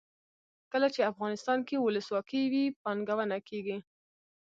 کله چې افغانستان کې ولسواکي وي پانګونه کیږي.